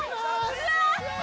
うわ！